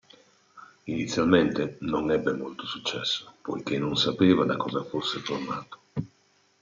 Inizialmente, non ebbe molto successo, poiché non sapeva da cosa fosse formato.